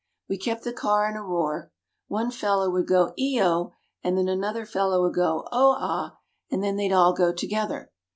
We kept the car in a roar. One fellow would go 'Ee oh,' and then another fellow would go 'Oh ah,' and then they'd all go together.